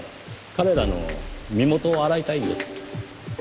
彼らの身元を洗いたいんです。